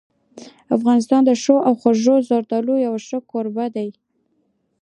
افغانستان د ښو او خوږو زردالو یو ښه کوربه دی.